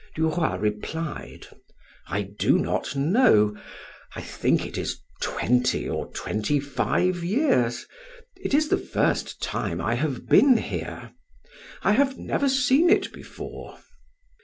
Du Roy replied: "I do not know; I think it is twenty or twenty five years. It is the first time I have been here. I have never seen it before."